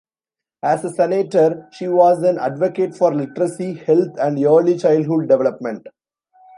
As a Senator, she was an advocate for literacy, health and early childhood development.